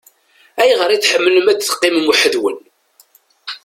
Ayɣer i tḥemmlem ad teqqimem weḥd-nwen?